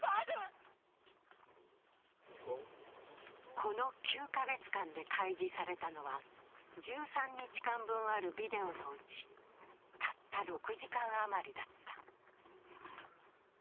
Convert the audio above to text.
この９カ月間で開示されたのは１３日間分あるビデオのうちたった６時間余りだった。